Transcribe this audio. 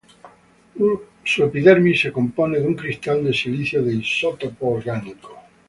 Su epidermis se compone de un cristal de silicio de isótopo orgánico.